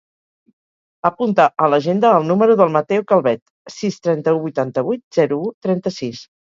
Apunta a l'agenda el número del Mateo Calvet: sis, trenta-u, vuitanta-vuit, zero, u, trenta-sis.